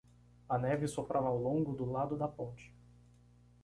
A neve soprava ao longo do lado da ponte.